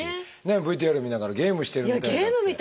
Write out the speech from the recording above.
ＶＴＲ見ながら「ゲームしてるみたい」。